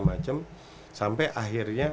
macam sampai akhirnya